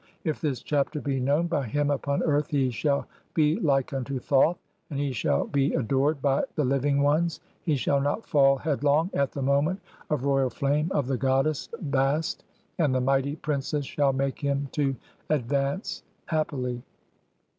(4) IF THIS CHAPTER BE KNOWN BY HIM UPON EARTH HE SHALL BE LIKE UNTO THOTH, AND HE SHALL BE ADORED BY THE LIVING ONES ; HE SHALL NOT FALL HEADLONG AT THE MOMENT OF ROYAL FLAME OF THE GODDESS BAST, AND THE MIGHTY PRINCESS SHALL MAKE HIM TO ADVANCE HAPPILY.